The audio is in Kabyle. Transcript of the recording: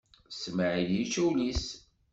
Smaɛil yečča ul-is.